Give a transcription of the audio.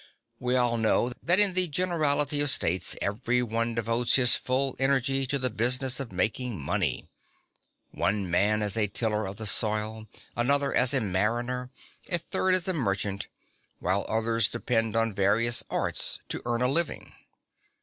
We all know that in the generality of states every one devotes his full energy to the business of making money: one man as a tiller of the soil, another as a mariner, a third as a merchant, whilst others depend on various arts to earn a living.